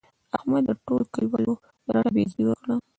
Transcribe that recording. احمد د ټولو کلیوالو رټه بې عزتي وکړه.